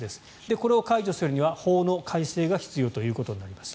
これを解除するには法の改正が必要となります。